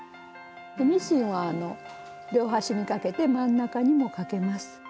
ミシンは両端にかけて真ん中にもかけます。